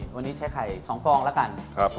วันนี้ใช้ไข่๒ฟองแล้วกัน